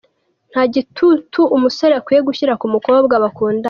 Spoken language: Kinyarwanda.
Nta gitutu umusore akwiye gushyira ku mukobwa bakundana.